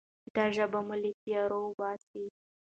دا ژبه مو له تیارو باسي.